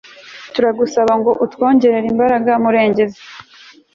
turagusaba ngo utwongerere imbaraga murengezi